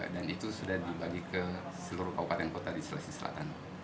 dan itu sudah dibagi ke seluruh kawasan dan kota di sulawesi selatan